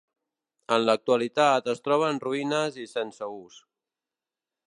En l'actualitat, es troba en ruïnes i sense ús.